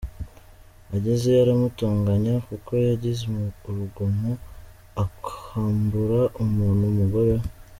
Agezeyo aramutonganya; kuko yagize urugomo akambura umuntu umugore we.